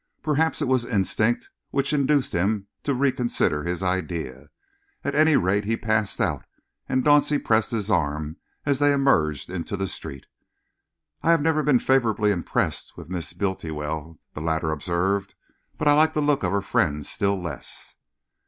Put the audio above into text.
Perhaps it was instinct which induced him to reconsider his idea. At any rate he passed out, and Dauncey pressed his arm as they emerged into the street. "I have never been favourably impressed with Miss Bultiwell," the latter observed, "but I like the look of her friends still less."